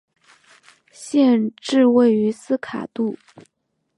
县治位于斯卡杜。